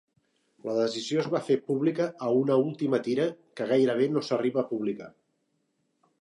La decisió es va fer pública a una última tira, que gairebé no s'arriba a publicar.